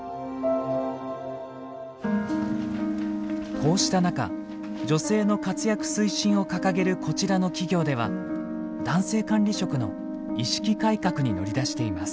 こうした中女性の活躍推進を掲げるこちらの企業では男性管理職の意識改革に乗り出しています。